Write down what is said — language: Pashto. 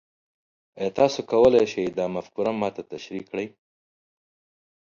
ایا تاسو کولی شئ دا مفکوره ما ته تشریح کړئ؟